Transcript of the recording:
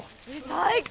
最高！